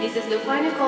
yang utama dari saya